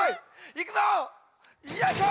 いくぞよいしょ！